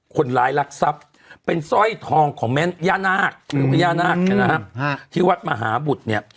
คนรายรักทรัพย์เป็นสร้อยทองของแม่นย่านาคที่วัดมหาบุตร